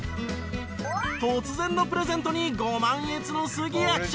突然のプレゼントにご満悦の杉谷記者。